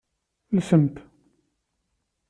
Lsemt.